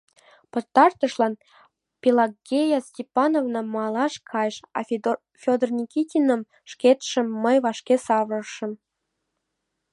Пытартышлан Пелагея Степановна малаш кайыш, а Фёдор Никитиным шкетшым мый вашке савырышым.